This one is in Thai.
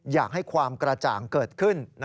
อยากให้ความกระจ่างเกิดขึ้น